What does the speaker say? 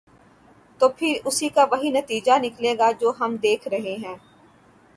تو پھر اس کا وہی نتیجہ نکلے گا جو ہم دیکھ رہے ہیں۔